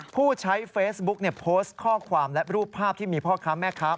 ผู้ใช้เฟซบุ๊กโพสต์ข้อความและรูปภาพที่มีพ่อค้าแม่ค้า